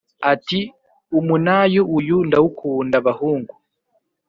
Ati: “Umunayu uyu ndawukunda bahungu